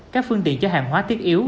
các phương tiện cho hàng hóa thiết yếu